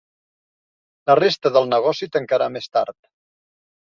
La resta del negoci tancarà més tard.